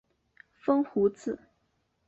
风胡子。